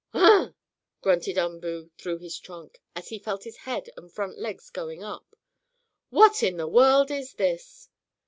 "Ugh!" grunted Umboo through his trunk, as he felt his head and front legs going up. "What in the world is this?"